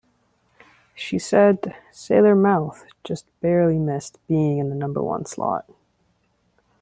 She said 'Sailor Mouth' just barely missed being in the number one slot.